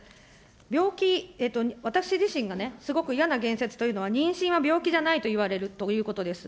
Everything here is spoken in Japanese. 病気、私自身がね、すごく嫌な言説というのは、妊娠は病気じゃないといわれるということです。